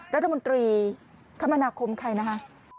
รัฐมนตรีคมนาคมใครนะคะ